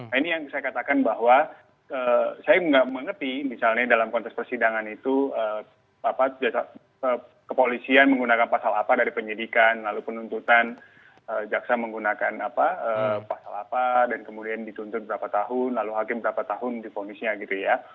nah ini yang saya katakan bahwa saya nggak mengerti misalnya dalam konteks persidangan itu kepolisian menggunakan pasal apa dari penyidikan lalu penuntutan jaksa menggunakan apa pasal apa dan kemudian dituntut berapa tahun lalu hakim berapa tahun diponisnya gitu ya